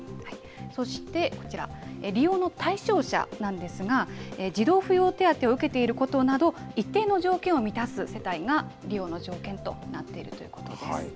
そしてこちら、利用の対象者なんですが、児童扶養手当を受けていることなど、一定の条件を満たす世帯が利用の条件となっているということです。